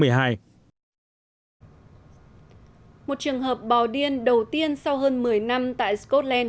một trường hợp bò điên đầu tiên sau hơn một mươi năm tại scotland